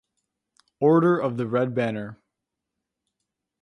Order of the Red Banner